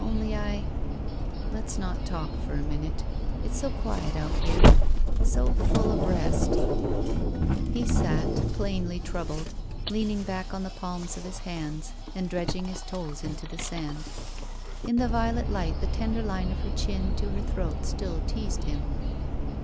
"Only I — Let's not talk for a minute. It's so quiet out here — so full of rest." 133 THE VERTICAL CITY He sat, plainly troubled, leaning back on the palms of his hands and dredging his toes into the sand. In the violet light the tender line of her chin to her throat still teased him.